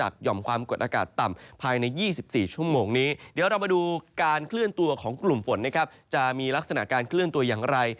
การเคลื่อนตัวของกลุ่มฝนจะมีลักษณะการเคลื่อนตัวอย่างไร